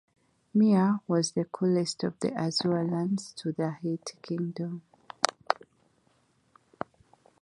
Mira was the closest of the Arzawa lands to the Hittite kingdom.